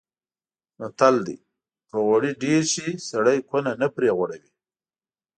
متل دی: که غوړي ډېر شي سړی کونه نه پرې غوړوي.